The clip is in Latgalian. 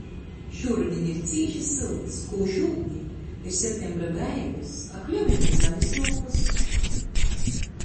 Šūrudiņ ir cīši sylts, kūž ūdi, ir septembra beigys, a kļovim ir zalis lopys.